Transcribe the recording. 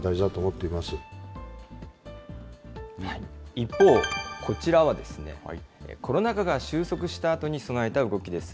一方、こちらはコロナ禍が収束したあとに備えた動きです。